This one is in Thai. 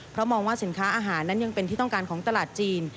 เพราะมองว่าสินค้าอาหารนั้นยังเป็นที่ต้องการของตลาดจีน